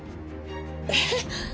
えっ。